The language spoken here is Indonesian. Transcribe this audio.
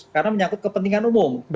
karena menyangkut kepentingan umum